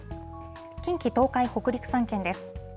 近畿、東海、北陸３県です。